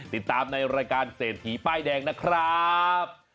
ติดตามในรายการเศรษฐีป้ายแดงนะครับ